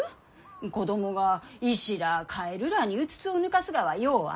子供が石らあカエルらあにうつつを抜かすがはようあること。